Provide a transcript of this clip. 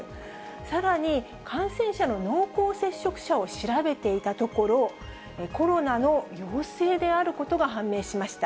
さらに、感染者の濃厚接触者を調べていたところ、コロナの陽性であることが判明しました。